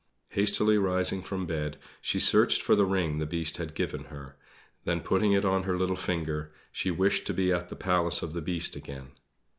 Hastily rising from bed, she searched for the ring the Beast had given her. Then putting it on her little finger she wished to be at the Palace of the Beast again.